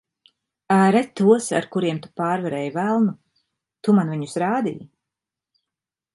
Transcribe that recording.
Āre tos, ar kuriem tu pārvarēji velnu. Tu man viņus rādīji.